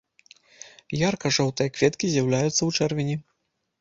Ярка-жоўтыя кветкі з'яўляюцца ў чэрвені.